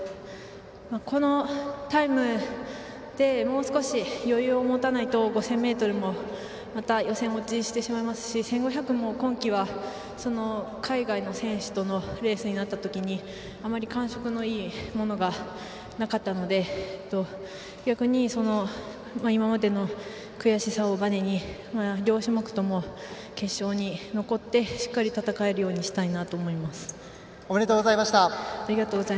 このタイムでもう少し余裕を持たないと５０００ｍもまた予選落ちしてしまいますし１５００も今季は海外の選手とのレースになったときにあまり感触のいいものがなかったので逆に、今までの悔しさをバネに両種目とも決勝に残ってしっかり戦えるようにしたいなとおめでとうございました。